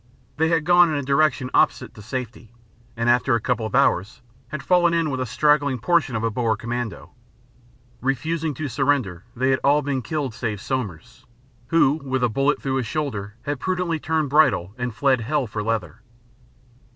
They had gone in a direction opposite to safety, and after a couple of hours had fallen in with a straggling portion of a Boer Commando. Refusing to surrender, they had all been killed save Somers, who, with a bullet through his shoulder, had prudently turned bridle and fled hell for leather.